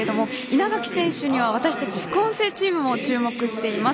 稲垣選手には私たち副音声チームも注目しています。